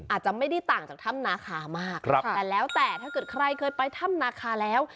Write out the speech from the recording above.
อาจจะไม่ได้ต่างจากถ้ำนาคามากแต่แล้วแต่ถ้าเกิดใครเคยไปถ้ำนาคาแล้ว